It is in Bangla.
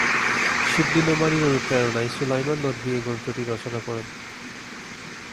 শিবলী নোমানীর অনুপ্রেরণায় সুলাইমান নদভী এই গ্রন্থটি রচনা করেন।